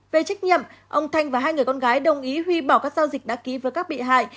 về trách nhiệm ông thanh và hai người con gái đồng ý huy bỏ các giao dịch đã ký với các bị hại